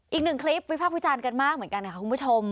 อีกหนึ่งคลิปวิพากษ์วิจารณ์กันมากเหมือนกันค่ะคุณผู้ชม